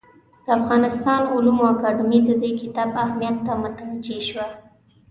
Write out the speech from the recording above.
د افغانستان علومو اکاډمي د دې کتاب اهمیت ته متوجه شوه.